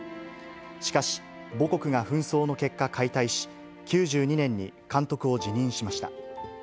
しかし、母国が紛争の結果、解体し、９２年に監督を辞任しました。